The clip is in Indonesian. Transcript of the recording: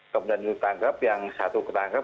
kemudian ditangkap yang satu ketangkap